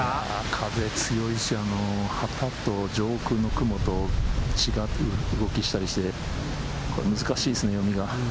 風が強いし、旗と上空の雲と違う動きをしたりして難しいですね、読みが。